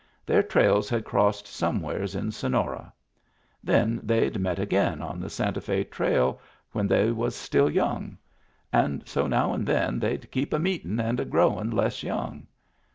Their trails had crossed somewheres in Sonora. Then they'd met again on the Santa F^ trail, when they was still young. And so now and then they'd kep' a meetin' and a growin' less young.